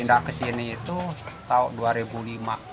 pindah kesini itu tahun dua ribu lima